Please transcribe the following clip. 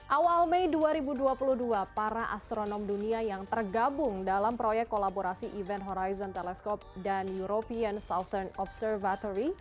awal mei dua ribu dua puluh dua para astronom dunia yang tergabung dalam proyek kolaborasi event horizon teleskop dan european southern observatory